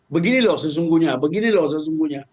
begini loh sesungguhnya begini loh sesungguhnya